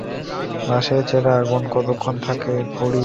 বাঁশের চেলার আগুন কতক্ষণ থাকে যে আবার ঘড়ি-ঘড়ি তামাক খাওয়ার আগুন জোগাবো?